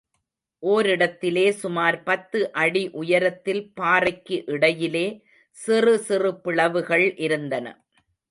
ஓரிடத்திலே சுமார் பத்து அடி உயரத்தில் பாறைக்கு இடையிலே சிறு சிறு பிளவுகள் இருந்தன.